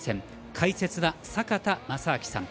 解説は坂田正彰さん